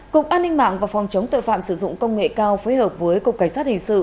cục an ninh mạng và phòng chống tội phạm sử dụng công nghệ cao phối hợp với cục cảnh sát hình sự